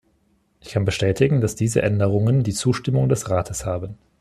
Ich kann bestätigen, dass diese Änderungen die Zustimmung des Rates haben.